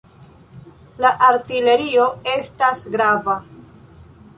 La artilerio estas grava.